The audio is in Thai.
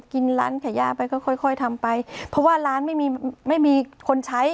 กินร้านขายยาไปก็ค่อยค่อยทำไปเพราะว่าร้านไม่มีไม่มีคนใช้